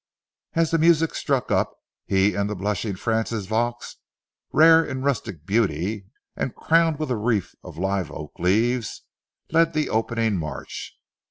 As the music struck up, he and the blushing Frances Vaux, rare in rustic beauty and crowned with a wreath of live oak leaves, led the opening march.